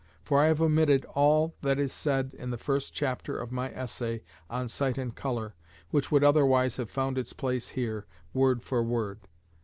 For I have omitted all that is said in the first chapter of my essay "On Sight and Colour," which would otherwise have found its place here, word for word.